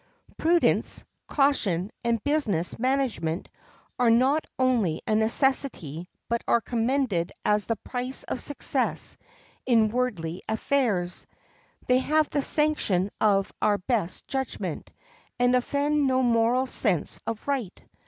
Prudence, caution, and business management are not only a necessity, but are commended as the price of success in worldly affairs. They have the sanction of our best judgment, and offend no moral sense of right.